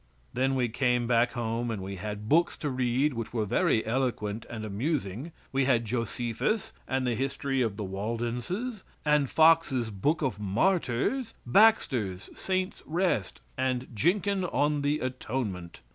Then we came back home, and we had books to read which were very eloquent and amusing. We had Josephus, and the "History of the Waldenses," and Fox's "Book of Martyrs," Baxter's "Saint's Rest," and "Jenkyn on the Atonement."